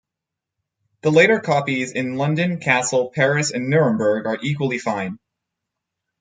The later copies in London, Kassel, Paris and Nuremberg are equally fine.